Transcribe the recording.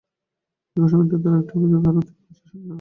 একই সঙ্গে তাঁদের আরেকটি অভিযোগে আরও তিন বছরের সাজা দেওয়া হয়।